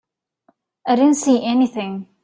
I didn't see anything.